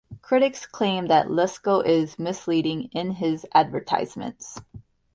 Critics claim that Lesko is misleading in his advertisements.